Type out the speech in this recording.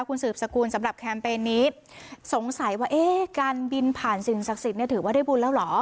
คุณสืบสกุลสำหรับแคมเปญนี้สงสัยว่าเอ๊ะการบินผ่านสิ่งศักดิ์สิทธิ์เนี่ยถือว่าได้บุญแล้วเหรอ